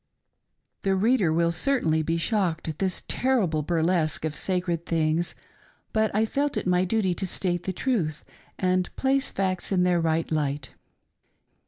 ■ The reader will certainly be shocked at this terrible bur lesque of sacred things, but I felt it my duty to state the truth and place facts in their right light.